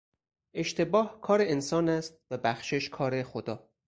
اشتباه کار انسان است و بخشش کار خدا